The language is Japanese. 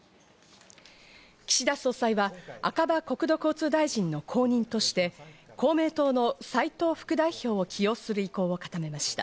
岸田総裁は赤羽国土交通大臣の後任として公明党の斉藤副代表を起用する意向を固めました。